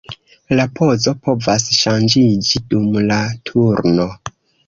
La pozo povas ŝanĝiĝi dum la turno.